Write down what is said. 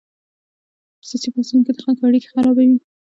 په سیاسي بحثونو کې د خلکو اړیکې خرابوي.